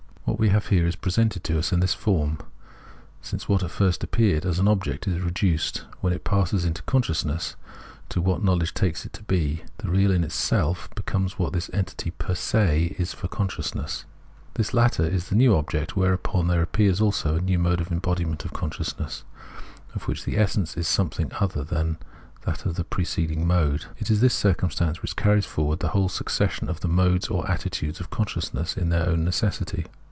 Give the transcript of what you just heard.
What we have here is presented to us in this form :— since what at first appeared as object is reduced, when it passes into consciousness, to what knowledge takes it to be, and the ultimate entity, the real in itself, becomes what this entity per se is for consciousness; this latter is the new object, whereupon there appears also a new mode or embodiment of consciousness, of which the essence is something other than that of the pre ceding mode. It is this circumstance which carries forward the whole succession of the modes or attitudes of consciousness in their own necessity.